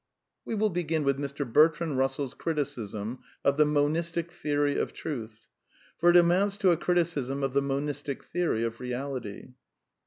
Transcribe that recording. We will begin with Mr. Bertrand Russell's criticism of the Monistic Theory of Truth, for it amounts to a criticism of the Monistic Theory of Reality.